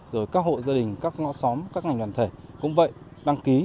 rồi các hộ gia đình các ngõ xóm các ngành đoàn thể cũng vậy đăng ký